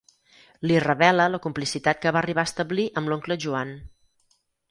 Li revela la complicitat que va arribar a establir amb l'oncle Joan.